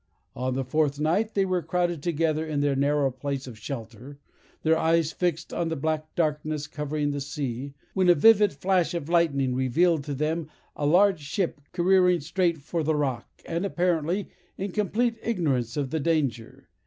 On the fourth night, they were crowded together in their narrow place of shelter, their eyes fixed on the black darkness covering the sea, when a vivid flash of lightning revealed to them a large ship careering straight for the rock, and apparently in complete ignorance of the danger.